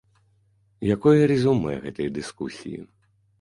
Якое рэзюмэ гэтай дыскусіі?